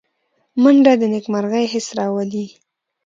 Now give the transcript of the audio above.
منډه د نېکمرغۍ حس راولي